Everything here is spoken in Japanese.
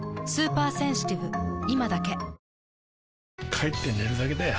帰って寝るだけだよ